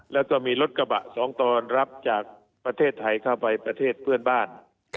แล้วก็มีรถกระบะสองตอนรับจากประเทศไทยเข้าไปประเทศเพื่อนบ้าน